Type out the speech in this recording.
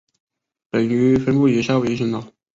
本鱼分布于夏威夷群岛。